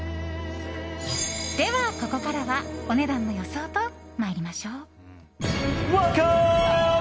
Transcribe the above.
では、ここからはお値段の予想と参りましょう。